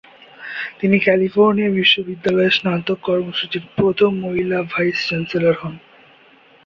তিনি ক্যালিফোর্নিয়া বিশ্ববিদ্যালয়ের স্নাতক কর্মসূচির প্রথম মহিলা ভাইস চ্যান্সেলর হন।